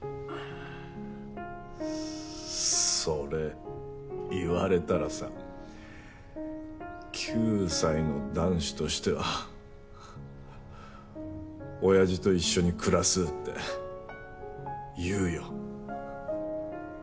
それ言われたらさ９歳の男子としてはおやじと一緒に暮らすって言うよ。